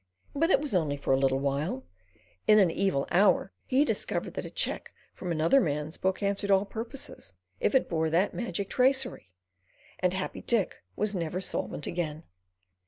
But it was only for a little while. In an evil hour he discovered that a cheque from another man's book answered all purposes if it bore that magic tracery, and Happy Dick was never solvent again.